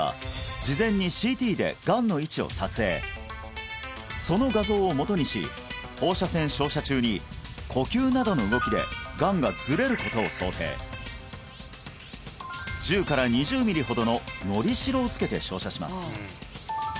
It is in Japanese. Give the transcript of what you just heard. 従来はその画像をもとにし放射線照射中に呼吸などの動きでがんがずれることを想定１０２０ミリほどののりしろをつけて照射します